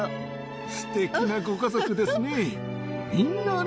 すてきなご家族ですね。